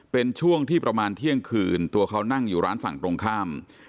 เป็นช่วงที่ประมาณเที่ยงคืนตัวเขานั่งอยู่ร้านฝั่งตรงข้าม